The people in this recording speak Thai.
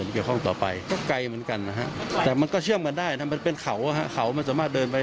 ตัวน้อยจะสามารถเดินเองได้ไหมไม่สามารถเดินได้